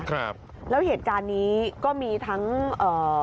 ครับแล้วเหตุการณ์นี้ก็มีทั้งเอ่อ